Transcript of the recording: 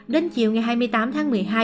đến chiều ngày hai mươi tám tháng một mươi hai